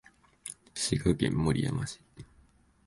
滋賀県守山市